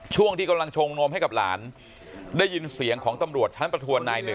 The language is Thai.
ช่วงที่กำลังชงนมให้กับหลานได้ยินเสียงของตำรวจชั้นประทวนนายหนึ่ง